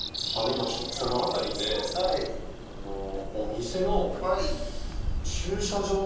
今ちょっとこの辺りでお店の魯魯蓮